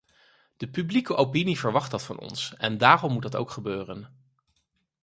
De publieke opinie verwacht dat van ons en daarom moet dat ook gebeuren.